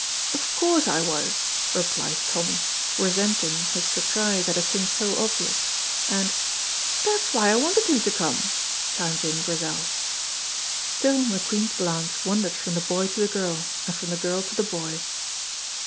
"Of course I was," replied Tommy, resenting his surprise at a thing so obvious; and "That's why I wanted him to come," chimed in Grizel. Still McQueen's glance wandered from the boy to the girl and from the girl to the boy.